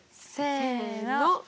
せの。